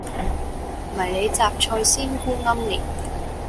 迷你什菜鮮菇奄列